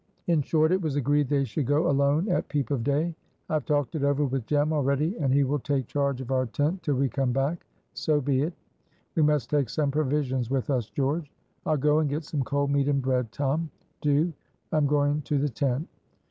In short, it was agreed they should go alone at peep of day. "I have talked it over with Jem already, and he will take charge of our tent till we come back." "So be it." "We must take some provisions with us, George." "I'll go and get some cold meat and bread, Tom." "Do. I'm going to the tent."